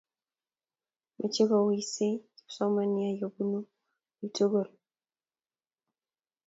mechei kowisei kipsomanian yabunuu ooii tukul